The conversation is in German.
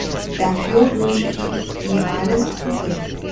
Dafür wünsche ich ihr alles Gute.